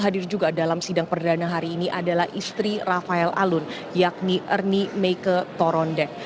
hadir juga dalam sidang perdana hari ini adalah istri rafael alun yakni ernie meike torondek